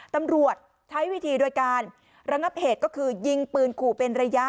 ตำรวจใช้วิธีโดยการระงับเหตุก็คือยิงปืนขู่เป็นระยะ